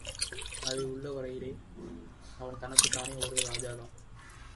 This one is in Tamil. அவை உள்ள வரையிலே அவன் தனக்குத்தானே ஒரு ராஜாதான்!